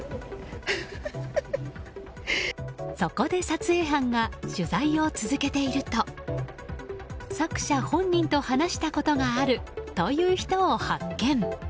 そこで撮影班が取材を続けていると作者本人と話したことがあるという人を発見。